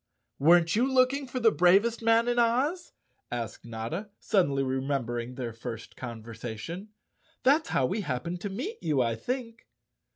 "Weren't you looking for the bravest man in Oz?" asked Notta, suddenly remembering their first conver¬ sation. " That's how we happened to meet you, I think."